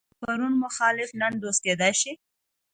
د پرون مخالف نن دوست کېدای شي.